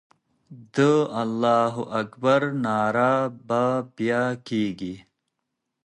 د الله اکبر ناره به بیا کېږي.